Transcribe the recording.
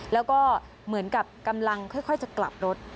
แล้วก็เหมือนกับกำลังค่อยจะกลับรถ